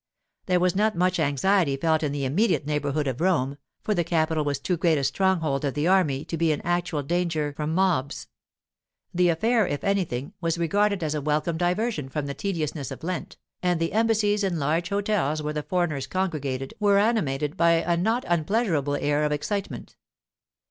There was not much anxiety felt in the immediate neighbourhood of Rome, for the capital was too great a stronghold of the army to be in actual danger from mobs. The affair, if anything, was regarded as a welcome diversion from the tediousness of Lent, and the embassies and large hotels where the foreigners congregated were animated by a not unpleasurable air of excitement.